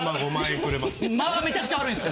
間がめちゃくちゃ悪いんです。